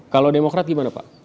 kalau demokrat gimana pak